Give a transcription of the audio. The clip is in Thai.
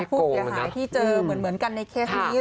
ผู้เสียหายที่เจอเหมือนกันในเคสนี้